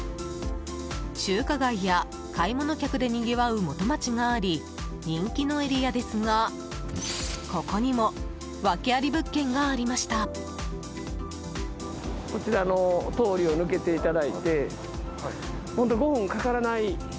中華街や買い物客でにぎわう元町があり人気のエリアですがここにもワケあり物件がありました。